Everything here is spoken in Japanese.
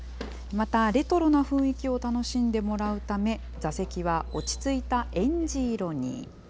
またレトロな雰囲気を楽しんでもらうため、座席は落ち着いたえんじ色に。